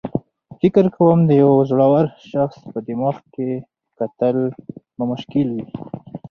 فکر کوم د یو زړور شخص په دماغ کې کتل به مشکل وي.